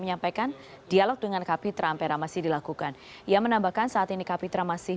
menyampaikan dialog dengan kapitra ampera masih dilakukan ia menambahkan saat ini kapitra masih